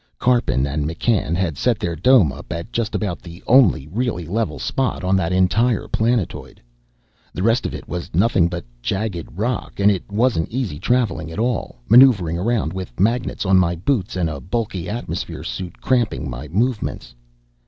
Karpin and McCann had set their dome up at just about the only really level spot on that entire planetoid. The rest of it was nothing but jagged rock, and it wasn't easy traveling at all, maneuvering around with magnets on my boots and a bulky atmosphere suit cramping my movements.